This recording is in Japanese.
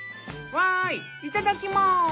わいいただきます！